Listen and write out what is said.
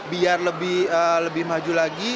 biar lebih maju lagi